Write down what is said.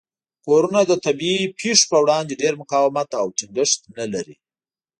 کورونه د طبیعي پیښو په وړاندې ډیر مقاومت او ټینګښت نه لري.